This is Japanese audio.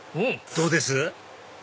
どうです？